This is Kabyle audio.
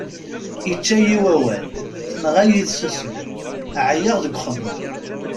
Ičča-yi wawal, tenɣa-yi tsusmi, εyiɣ deg uxemmem.